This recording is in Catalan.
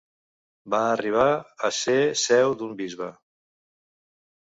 Va arribar a ser seu d'un bisbe.